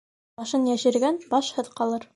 Башын йәшергән башһыҙ ҡалыр.